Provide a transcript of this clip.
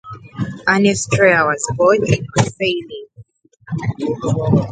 Ernest Reyer was born in Marseilles.